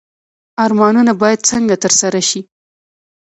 ارمانونه باید څنګه ترسره شي؟